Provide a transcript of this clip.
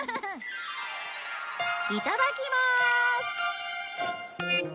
いただきまーす！